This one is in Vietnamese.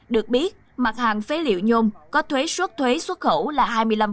được biết mặt hàng phế liệu nhôm có thuế xuất thuế xuất khẩu là hai mươi năm